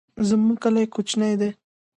زمونږ کلی کوچنی دی